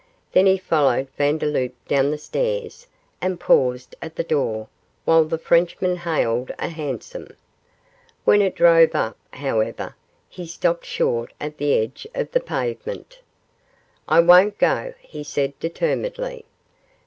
Then he followed Vandeloup down the stairs and paused at the door while the Frenchman hailed a hansom. When it drove up, however, he stopped short at the edge of the pavement. 'I won't go,' he said, determinedly.